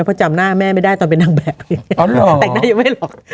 เพราะจำหน้าแม่ไม่ได้ตอนเป็นนางแบบอ๋อหรอกแต่งหน้ายังไม่หรอก